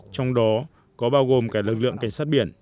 trong đó có bao gồm cả lực lượng cảnh sát biển